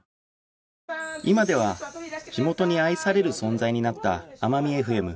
今では地元に愛される存在になったあまみエフエム